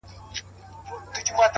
زما په ژوند کي د وختونو د بلا ياري ده؛